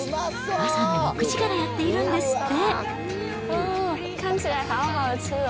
朝の６時からやっているんですって。